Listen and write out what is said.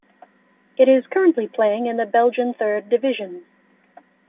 It is currently playing in the Belgian Third Division.